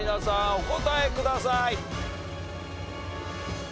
お答えください。